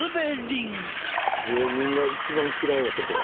芸人が一番嫌いな言葉。